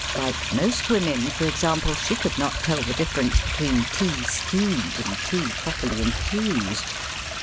Like most women, for example, she could not tell the difference between tea stewed and tea properly infused.